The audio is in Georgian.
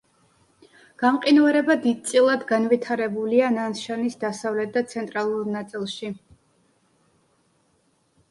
გამყინვარება დიდწილად განვითარებულია ნანშანის დასავლეთ და ცენტრალურ ნაწილში.